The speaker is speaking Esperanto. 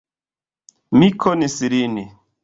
Mi konis lin.